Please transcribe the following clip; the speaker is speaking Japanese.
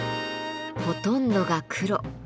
ほとんどが黒。